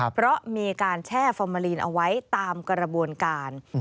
เพราะมีการแช่ฟอร์มาลีนเอาไว้ตามกระบวนการ